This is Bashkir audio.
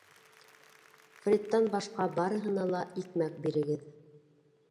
— Фредтан башҡа, барыһына ла икмәк бирегеҙ.